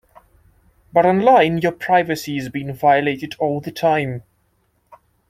But online, your privacy is being violated all the time.